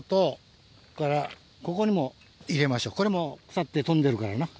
これも腐って飛んでるからな。